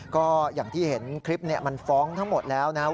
ก็อย่างที่เห็นคลิปมันฟ้องทั้งหมดแล้วนะครับ